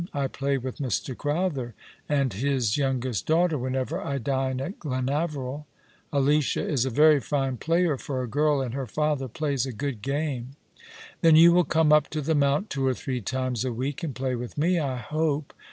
I play with Mr. Crowther and his youngest daughter whenever I dine at Glenaveril. Alicia is a very fine player, for a girl, and her father plays a good game." " Then you will come up to the Mount two or three times a week and play with me, I hope.